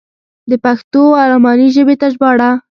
د پښتو و الماني ژبې ته ژباړه.